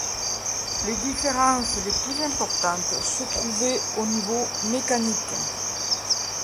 Les différences les plus importantes se trouvaient au niveau mécanique.